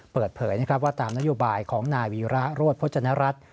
เปิดเผยว่าตามนโยบายของนาวีระโรจพจนรัฐ